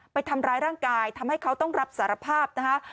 ไปทำร้ายร่างกายทำให้เขาต้องรับสารภาพนะคะ